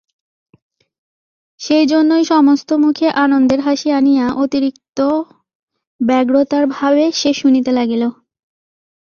সেইজন্যই সমস্ত মুখে আনন্দের হাসি আনিয়া অতিরিক্তব্যগ্রতার ভাবে সে শুনিতে লাগিল।